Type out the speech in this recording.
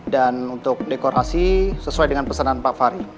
dan untuk dekorasi sesuai dengan pesanan pak ferry